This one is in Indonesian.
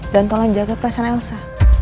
dan tolong jaga perasaan elsa